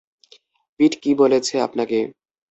পিট কী বলেছে আপনাকে?